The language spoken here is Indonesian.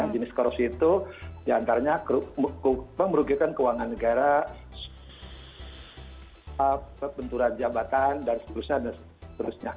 jenis korupsi itu antaranya merugikan keuangan negara benturan jabatan dan seterusnya